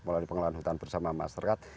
mulai dari pengelola hutan bersama masyarakat